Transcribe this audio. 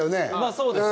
そうですね。